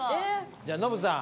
じゃノブさん。